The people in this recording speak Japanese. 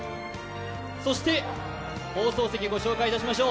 そして放送席ご紹介いたしましょう。